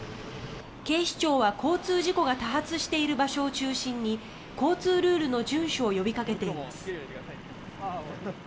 警視庁は交通事故が多発している場所を中心に交通ルールの順守を呼びかけています。